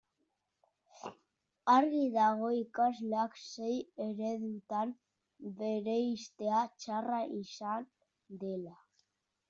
Argi dago ikasleak sei ereduetan bereiztea txarra izan dela.